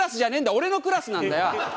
俺のクラスなんだよ。